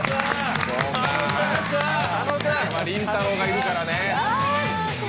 りんたろーがいるからね。